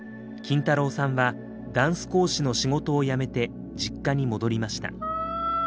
さんはダンス講師の仕事を辞めて実家に戻りました。